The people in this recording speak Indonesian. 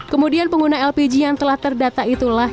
kemudian pengguna lpg yang telah terdata itulah